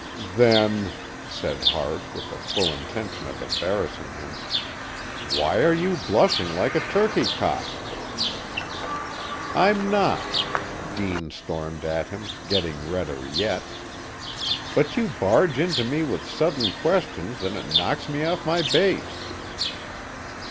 "Then," said Hart, with a full intention of embarrassing him, "why are you blushing like a turkey cock?" "I'm not!" Dean stormed at him, getting redder yet. "But you barge into me with sudden questions and it knocks me off my base."